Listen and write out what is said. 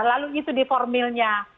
lalu itu diformilnya